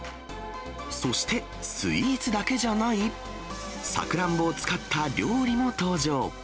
そして、スイーツだけじゃない、さくらんぼを使った料理も登場。